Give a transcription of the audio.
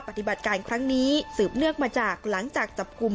ปฏิบัติการคลั้งนี้สืบเลือกมากวัน็งจากจับกลุ่ม